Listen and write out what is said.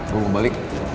gue mau balik